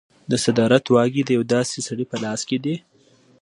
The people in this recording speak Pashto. د صدارت واګې د یو داسې سړي په لاس کې دي.